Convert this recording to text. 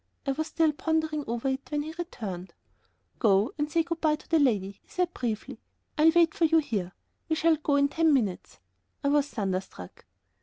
I was still pondering over it when he returned. "Go and say good by to the lady," he said, briefly. "I'll wait for you here. We shall go in ten minutes." I was thunderstruck.